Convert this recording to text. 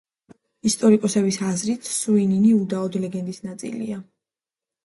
ისტორიკოსების აზრით სუინინი უდაოდ ლეგენდის ნაწილია.